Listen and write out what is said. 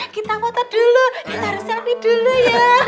kita foto dulu kita harus sepi dulu ya